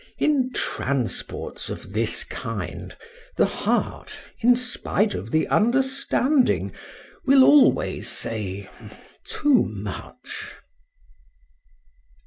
In transports of this kind, the heart, in spite of the understanding, will always say too much.